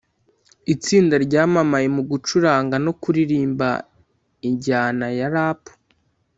itsinda ryamamaye mu gucuranga no kuririmba ijyana ya Rap